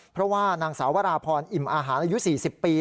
เพราะว่านางสาววราพรอิ่มอาหารอายุ๔๐ปี